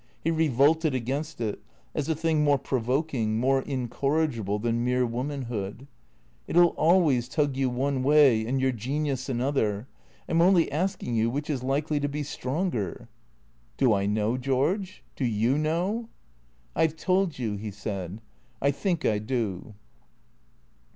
He revolted against it, as a thing more provoking, more incorrigible than mere womanliood. " It '11 always tug you one way and your genius another. I 'm only asking you which is likely to be stronger ?"" Do I know, George ? Do you know ?"" I 've told you," he said. " I think I do."